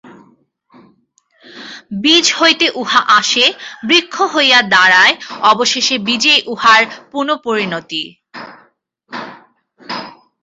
বীজ হইতে উহা আসে, বৃক্ষ হইয়া দাঁড়ায়, অবশেষে বীজেই উহার পুনঃপরিণতি।